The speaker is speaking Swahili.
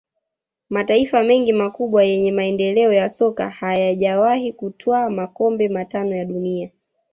Mataifa mengi makubwa yenye maendeleo ya soka hayajawahi kutwaa makombe matano ya dunia